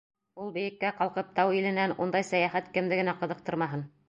Ул бейеккә ҡалҡып тау иленән, Ундай сәйәхәт кемде генә ҡыҙыҡтырмаһын?